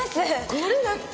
これだって。